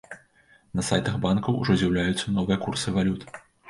На сайтах банкаў ужо з'яўляюцца новыя курсы валют.